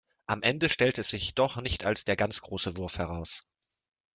Am Ende stellte es sich doch nicht als der ganz große Wurf heraus.